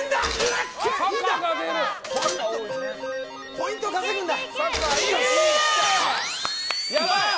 ポイント稼ぐんだ。